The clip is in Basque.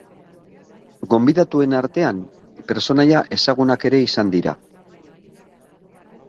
Gonbidatuen artean, pertsonaia ezagunak ere izan dira.